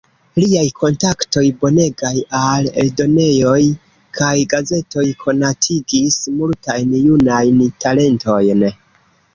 Liaj kontaktoj bonegaj al eldonejoj kaj gazetoj konatigis multajn junajn talentojn.